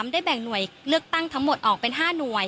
ได้แบ่งหน่วยเลือกตั้งทั้งหมดออกเป็น๕หน่วย